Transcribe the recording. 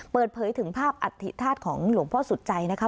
เปิดเผยถึงภาพอธิธาตุของหลวงพ่อสุดใจนะคะ